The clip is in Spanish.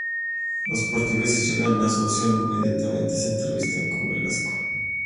Los portugueses llegan a Asunción, e inmediatamente se entrevistan con Velasco.